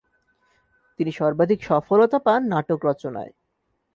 তিনি সর্বাধিকসফলতা পান নাটক রচনায়।